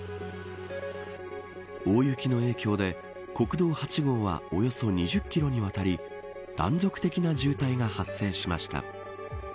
大雪の影響で国道８号はおよそ２０キロにわたり断続的な渋滞が発生しました。